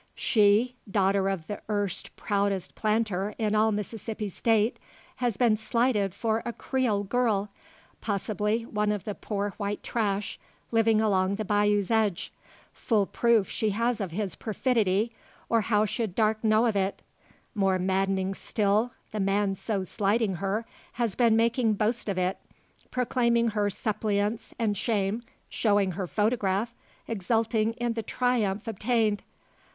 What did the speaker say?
She, daughter of the erst proudest planter in all Mississippi State, has been slighted for a Creole girl; possibly, one of the "poor white trash" living along the bayous' edge. Full proof she has of his perfidy, or how should Darke know of it? More maddening still, the man so slighting her, has been making boast of it, proclaiming her suppliance and shame, showing her photograph, exulting in the triumph obtained!